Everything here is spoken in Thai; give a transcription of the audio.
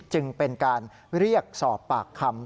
จึงเป็นการเรียกสอบปากคำ